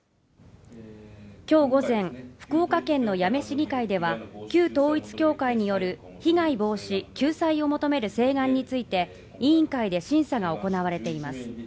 きょう午前福岡県の八女市議会では旧統一教会による被害防止・救済を求める請願について委員会で審査が行われています